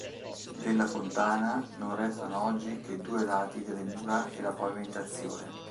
Della fontana non restano oggi che due lati delle mura e la pavimentazione.